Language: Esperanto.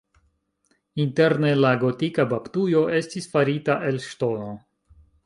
Interne la gotika baptujo estis farita el ŝtono.